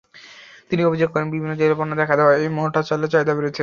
তিনি অভিযোগ করেন, বিভিন্ন জেলায় বন্যা দেখা দেওয়ায় মোটা চালের চাহিদা বেড়েছে।